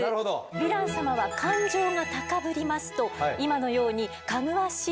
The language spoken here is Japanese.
ヴィラン様は感情が高ぶりますと今のようにかぐわしい